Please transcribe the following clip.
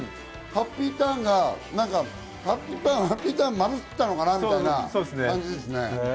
ハッピーターンをまぶしたのかなみたいな感じですよね。